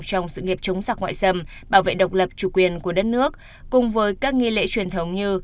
trong sự nghiệp chống giặc ngoại xâm bảo vệ độc lập chủ quyền của đất nước cùng với các nghi lễ truyền thống như